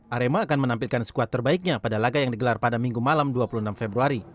arema akan menampilkan skuad terbaiknya pada laga yang digelar pada minggu malam dua puluh enam februari